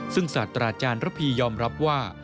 ซึ่งศาสตราจารย์ระพียอมรับว่า